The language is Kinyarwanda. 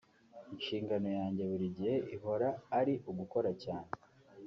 Inshingano yanjye buri gihe ihora ari ugukora cyane